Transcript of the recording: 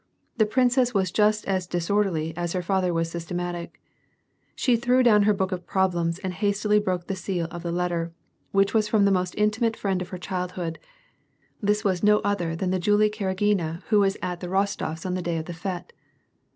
The princess was just as disorderly as her father was systematic: she threw down her book of problems and hastily broke the seal of the letter, which was from the most intimate friend of her child hood : this was no other than the Julie Karagina who was at the RostoFs on the day of the fete.